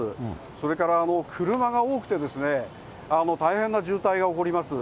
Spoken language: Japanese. それから車が多くて大変な渋滞が起こります。